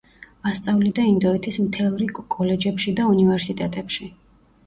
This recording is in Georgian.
ასწავლიდა ინდოეთის მთელ რიგ კოლეჯებში და უნივერსიტეტებში.